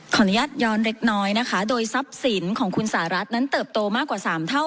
อนุญาตย้อนเล็กน้อยนะคะโดยทรัพย์สินของคุณสหรัฐนั้นเติบโตมากกว่า๓เท่า